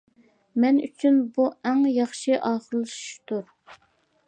مەن ئۈچۈن بۇ ئەڭ ياخشى ئاخىرلىشىشتۇر.